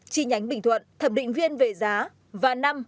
tri nhánh bình thuận thẩm định viên về giá